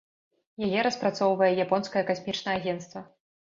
Яе распрацоўвае японскае касмічнае агенцтва.